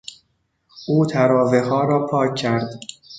او تراوهها را پاک کرد.